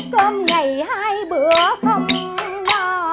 cơm ngày hai bữa không no